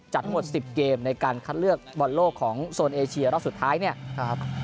ทั้งหมด๑๐เกมในการคัดเลือกบอลโลกของโซนเอเชียรอบสุดท้ายเนี่ยครับ